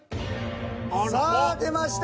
さあ出ました。